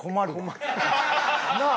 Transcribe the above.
なあ。